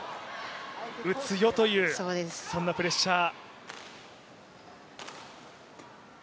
打つよという、そんなプレッシャー。